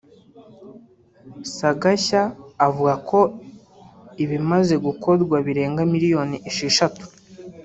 Sagashya avuga ko ibimaze gukorwa birenga miliyoni esheshatu